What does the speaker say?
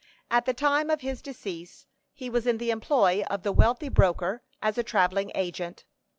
At the time of his decease, he was in the employ of the wealthy broker, as a travelling agent.